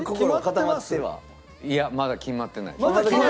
まだ決まってない？